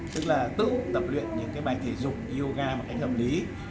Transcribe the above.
tức là tự tập luyện những bài thể dục yoga một cách hợp lý